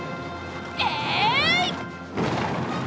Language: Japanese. えい！